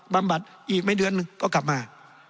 บำบัดอีกไม่เดือนหนึ่งก็กลับมา